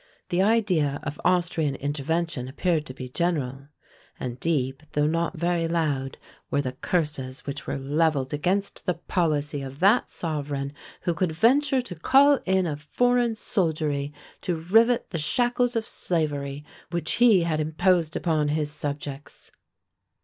The idea of Austrian intervention appeared to be general; and deep, though not loud, were the curses which were levelled against the policy of that sovereign who could venture to call in a foreign soldiery to rivet the shackles of slavery which he had imposed upon his subjects.